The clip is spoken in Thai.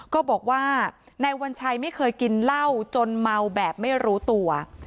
ก็บอกว่านายวัญชัยไม่เคยกินเหล้าจนเมาแบบไม่รู้ตัว